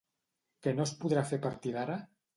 Què no es podrà fer a partir d'ara?